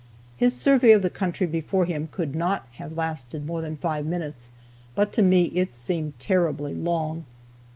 His survey of the country before him could not have lasted more than five minutes, but to me it seemed terribly long.